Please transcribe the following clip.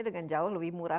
dengan jauh lebih murah